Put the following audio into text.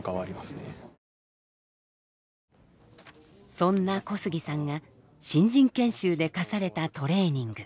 そんな小杉さんが新人研修で課されたトレーニング。